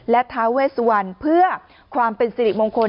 และท้าเวสวันเพื่อความเป็นสิริมงคล